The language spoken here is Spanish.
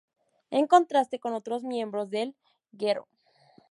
En contraste con otros miembros del Gro.